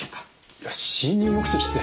いや侵入目的って。